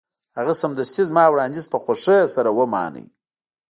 هغه سمدستي زما وړاندیز په خوښۍ سره ومانه